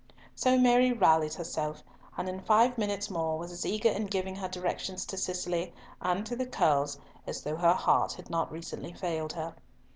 So Mary rallied herself, and in five minutes more was as eager in giving her directions to Cicely and to the Curlls as though her heart had not recently failed her.